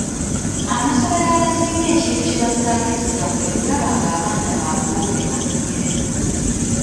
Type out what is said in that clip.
Amasomero agasinga ekintu kyegassaako essira kwe kulaba nga abaana baabwe boogera Olungereza.